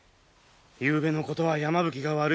ゆうべのことは山吹が悪いのではない。